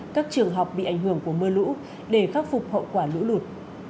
các trường học bị ảnh hưởng của mưa lũ để khắc phục hậu quả lũ lụt